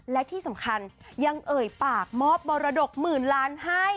และที่สำคัญยังเอ่ยปากมอบมรดกหมื่นล้านให้